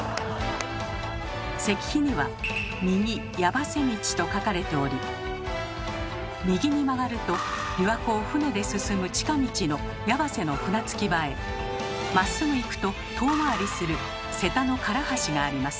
石碑には「右やばせ道」と書かれており右に曲がると琵琶湖を船で進む近道の矢橋の船着き場へまっすぐ行くと遠回りする瀬田の唐橋があります。